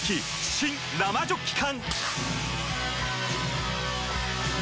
新・生ジョッキ缶！